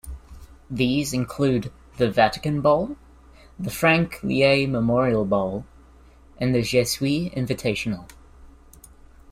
These include the "Vatican Bowl", the "Frank Leahy Memorial Bowl", and the "Jesuit Invitational".